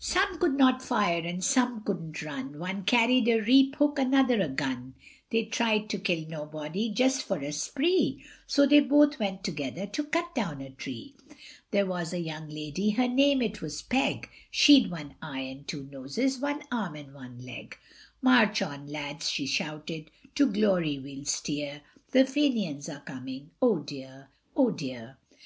Some could not fire, and some could'nt run, One carried a reap hook, another a gun, They tried to kill nobody, just for a spree, So they both went together to cut down a tree; There was a young lady, her name it was Peg, She'd one eye and two noses, one arm and one leg, March on, lads, she shouted, to glory we'll steer, The Fenians are coming, oh dear, oh dear!